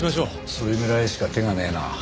それぐらいしか手がねえな。